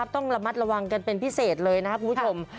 ต้องระมัดระวังกันเป็นพิเศษเลยนะครับคุณผู้ชม